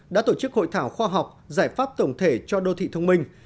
đã tổ chức hội thảo khoa học giải pháp tổng thể cho đô thị thông minh